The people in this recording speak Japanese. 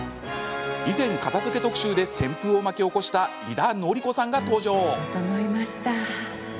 以前、片づけ特集で旋風を巻き起こした井田典子さんが登場。